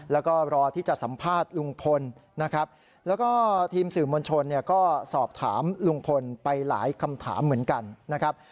แล้วก็รอที่จะสัมภาษณ์ลุงพลนะครับแล้วก็ทีมสื่อมวลชนเนี่ยก็สอบถามลุงพลไปหลายคำถามเหมือนกันนะครับ